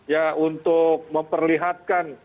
ya untuk memperlihatkan